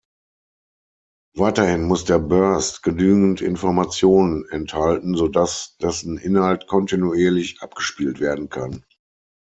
Weiterhin muss der Burst genügend Informationen enthalten, sodass dessen Inhalt kontinuierlich abgespielt werden kann.